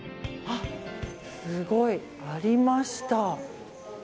すごい！ありました。